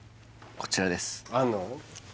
こちらですあんの？